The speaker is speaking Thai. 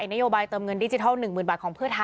นโยบายเติมเงินดิจิทัล๑๐๐๐บาทของเพื่อไทย